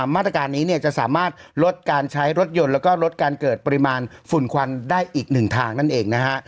มาตรการนี้จะสามารถลดการใช้รถยนต์แล้วก็ลดการเกิดปริมาณฝุ่นควันได้อีกหนึ่งทางนั่นเองนะฮะ